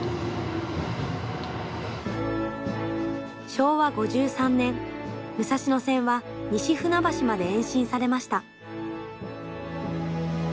昭和５３年武蔵野線は西船橋まで延伸されました。